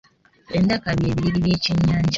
Endaka bye biriri by’ekyennyanja.